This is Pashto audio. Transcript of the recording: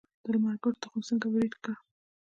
د لمر ګل تخم څنګه وریت کړم؟